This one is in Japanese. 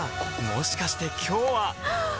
もしかして今日ははっ！